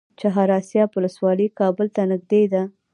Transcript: چهار اسیاب ولسوالۍ کابل ته نږدې ده؟